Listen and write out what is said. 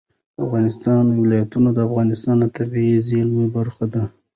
د افغانستان ولايتونه د افغانستان د طبیعي زیرمو برخه ده.